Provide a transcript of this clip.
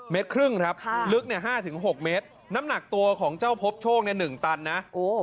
เมตรครึ่งครับลึกเนี่ย๕๖เมตรน้ำหนักตัวของเจ้าพบโชคใน๑ตันนะ